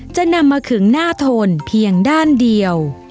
จะนำมาขึงหน้าโทนเพียงด้านเดียว